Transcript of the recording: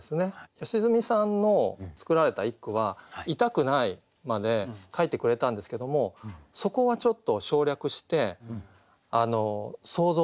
良純さんの作られた一句は「痛くない」まで書いてくれたんですけどもそこはちょっと省略して想像させる。